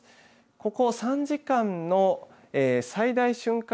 ここ３時間の最大瞬間